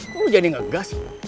kok lo jadi nggak gas